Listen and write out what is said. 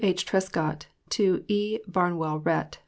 W.H. TRESCOTT TO E. BARNWELL RHETT.